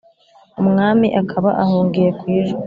umwami akaba ahungiye kwijwi